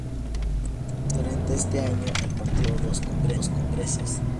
Durante este año, el Partido celebró dos Congresos.